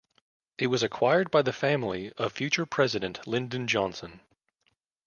It was acquired by the family of future president Lyndon Johnson.